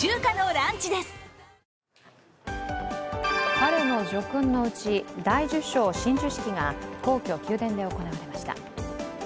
春の叙勲のうち大綬章親授式が皇居・宮殿で行われました。